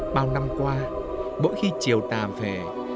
bao năm qua mỗi khi chiều tàm về